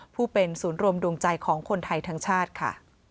ผู้เป็นศูนย์รวมดวงใจของคนไทยทั้งชาติค่ะ